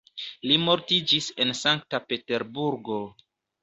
Li mortiĝis en Sankta Peterburgo.